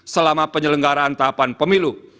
selama penyelenggaraan tahapan pemilu